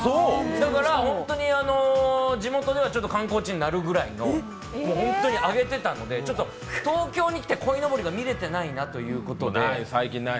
だから地元では観光地になるぐらいの本当に揚げていたので、東京に来て、こいのぼりが見れてないなということで。